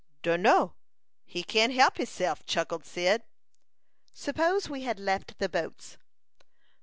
"Dunno. He can't help hisself," chuckled Cyd. "Suppose we had left the boats?"